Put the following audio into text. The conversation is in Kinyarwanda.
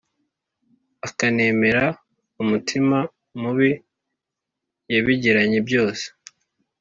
akanemera umutima mubi yabigiranye byose